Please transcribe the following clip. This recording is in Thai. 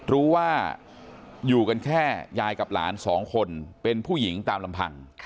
รู้ว่าอยู่กันแค่ยายกับหลานสองคนเป็นผู้หญิงตามลำพัง